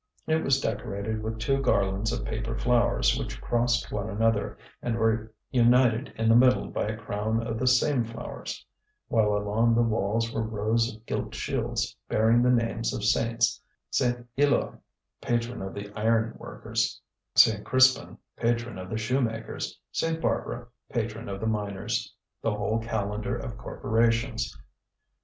It was decorated with two garlands of paper flowers which crossed one another, and were united in the middle by a crown of the same flowers; while along the walls were rows of gilt shields bearing the names of saints St. Éloi, patron of the iron workers; St. Crispin, patron of the shoemakers; St. Barbara, patron of the miners; the whole calendar of corporations.